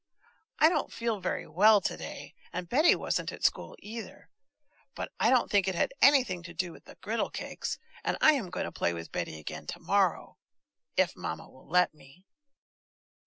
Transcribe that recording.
I don't feel very well to day, and Betty wasn't at school, either. But I don't think it had anything to do with the griddle cakes, and I am going to play with Betty again to morrow,—if Mamma will let me.